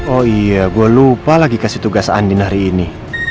oh iya gue lupa lagi kasih tugas andin hari ini